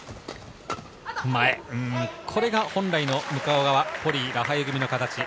これが本来の向こう側、ポリイ、ラハユ組の形。